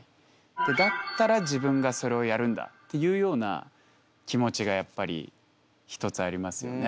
だったら自分がそれをやるんだっていうような気持ちがやっぱり一つありますよね。